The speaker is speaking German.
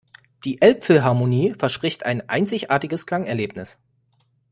Die Elbphilharmonie verspricht ein einzigartiges Klangerlebnis.